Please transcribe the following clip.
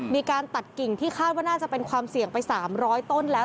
มีการตัดกิ่งที่คาดว่าน่าจะเป็นความเสี่ยงไป๓๐๐ต้นแล้ว